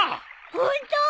ホント？